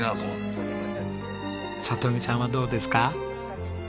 里美さんはどうですか？